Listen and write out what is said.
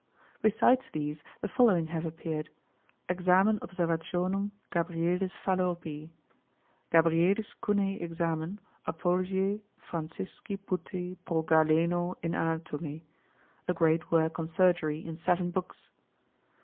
Besides these the following have appeared: "Examen Observationum Gabrielis Fallopii;" "Gabrielis Cunei Examen, Apologiæ Francisci Putei pro Galeno in Anatome;" a great work on Surgery in seven books.